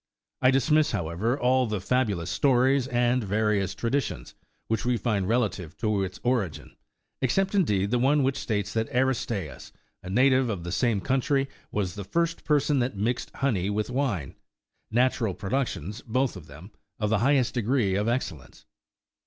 I dismiss, however, all the fa bulous stories and various traditions which we find relative to its origin, except, indeed, the one which states that Aristseus,36 a native of the same country, was the first person that mixed honey37 with wine, natural productions, both of them, of the highest degree of excellence.